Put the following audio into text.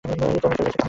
সবাই যাচ্ছে তাহলে!